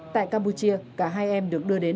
tại campuchia cả hai em được đưa đến